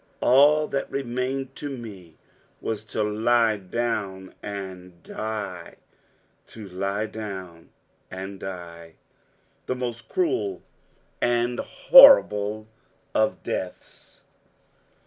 All that remained to me was to lie down and die. To lie down and die the most cruel and horrible of deaths!